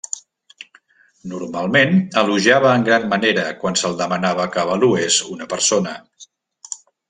Normalment elogiava en gran manera quan se'l demanava que avalués una persona.